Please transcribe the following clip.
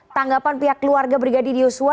tanggapan pihak keluarga brigadir yosua